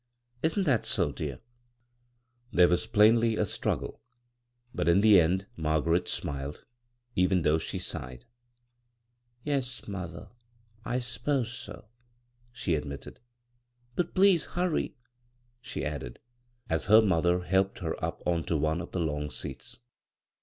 Isn't that so, dear?" »3 b, Google CROSS CURRENTS There was plainly a strug^gle, but in the end Margaret smiled, even though she sighed. " Yes, mother, I s'pose so," she admitted ;" but please hurry," she added, as her mother helped her up on to one of the long seats.